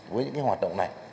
với những cái hoạt động này